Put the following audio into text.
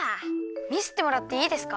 みせてもらっていいですか？